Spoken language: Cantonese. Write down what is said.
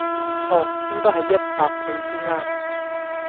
錯應該係一百倍先岩